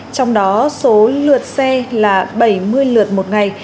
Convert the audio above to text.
trong đó số lượt xe là bảy mươi lượt một ngày